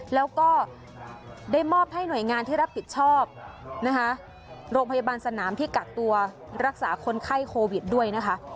แล้วก็ได้มอบให้หน่วยงานที่รับผิดชอบนะคะโรงพยาบาลสนามที่กักตัวรักษาคนไข้โควิดด้วยนะคะ